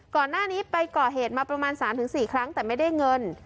ก่อนหน้านี้ไปก่อเหตุมาประมาณ๓๔ครั้งแต่ไม่ได้เงิน